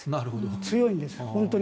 強いんです、本当に。